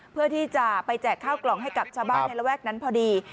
เพื่อที่จะไปแจกข้าวกล่องให้กับชาวบ้านในระแวกนั้นพอดี